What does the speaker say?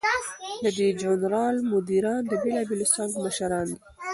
د دې ژورنال مدیران د بیلابیلو څانګو مشران دي.